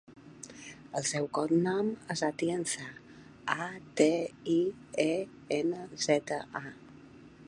El seu cognom és Atienza: a, te, i, e, ena, zeta, a.